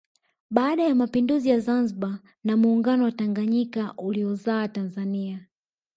Baada ya mapinduzi ya Zanzibar na muungano na Tanganyika uliozaa Tanzania